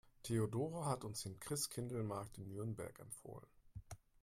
Theodora hat uns den Christkindlesmarkt in Nürnberg empfohlen.